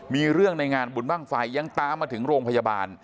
มีเรื่องในงานบุญบ้างไฟยังตามมาถึงโรงพยาบาล